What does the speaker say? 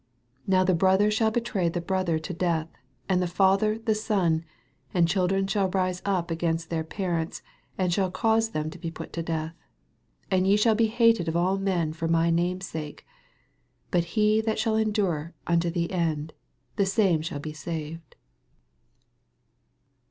12 Now the brother shall betray the brother to <'eith, and the father the son ; and children shall ri. e up gainst their parents, and shall cause them to be put to death. 13 And ye shall be bated of all men for my name's sake : but he that shall endure uuto the end, the same shall be saved.